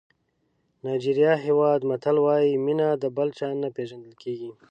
نایجېریا هېواد متل وایي مینه د بل چا نه پېژندل کېږي.